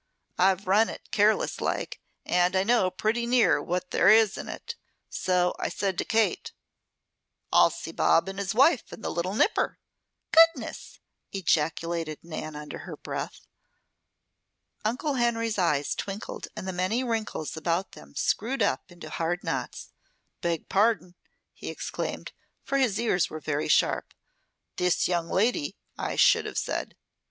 I've run it careless like, and I know pretty near what there is in it. So I said to Kate: "'I'll see Bob and his wife, and the little nipper " "Goodness!" ejaculated Nan, under her breath. Uncle Henry's eyes twinkled and the many wrinkles about them screwed up into hard knots. "Beg pardon!" he exclaimed, for his ears were very sharp. "This young lady, I should have said.